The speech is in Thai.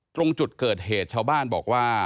ตรงจุดเกิดเหตุชาวบ้านบอกว่า